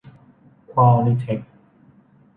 ควอลลีเทค